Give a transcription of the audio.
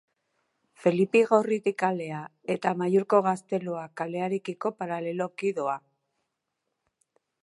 Felipe Gorriti kalea eta Amaiurko Gaztelua kalearekiko paraleloki doa.